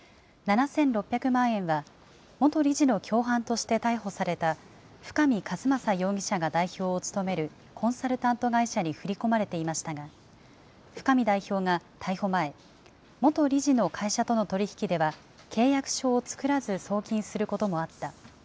７６００万円は、元理事の共犯として逮捕された深見和政代表が代表を務めるコンサルタント会社に振り込まれていましたが、深見代表が逮捕前、元理事の会社との取り引きでは、契約書を作らず送金することもあった。